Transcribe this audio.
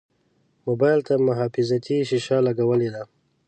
موبایل ته محافظتي شیشه لګولې ده.